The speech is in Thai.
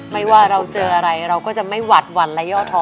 ไม่ว่าเราเจออะไรเราก็จะไม่หวัดหวั่นและย่อท้อ